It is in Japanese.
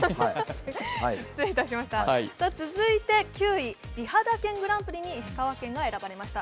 続いて９位、美肌県グランプリに石川県が選ばれました。